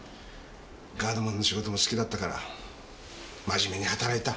ガードマンの仕事も好きだったから真面目に働いた。